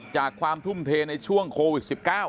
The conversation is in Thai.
ความทุ่มเทในช่วงโควิด๑๙